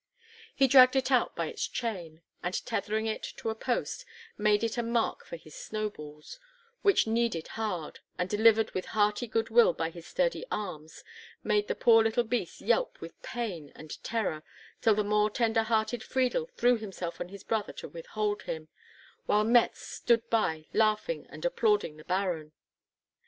He dragged it out by its chain, and, tethering it to a post, made it a mark for his snowballs, which, kneaded hard, and delivered with hearty good will by his sturdy arms, made the poor little beast yelp with pain and terror, till the more tender hearted Friedel threw himself on his brother to withhold him, while Mätz stood by laughing and applauding the Baron.